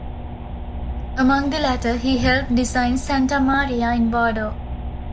Among the latter, he helped design Santa Maria in Vado.